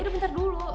udah bentar dulu